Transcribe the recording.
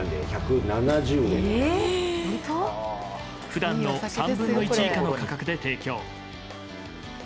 普段の３分の１以下の価格で提供。